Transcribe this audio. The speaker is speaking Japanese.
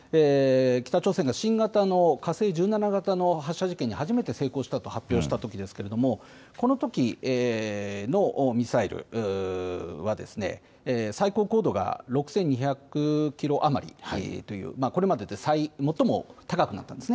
北朝鮮が新型の火星１７型の発射実験に初めて成功したと発表したときですけれどもこのときのミサイルは最高高度が６２００キロ余りというこれまでで最も高くなっています。